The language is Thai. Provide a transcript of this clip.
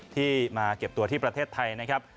ที่มาเก็บตัวที่ประเทศไทยนะครับ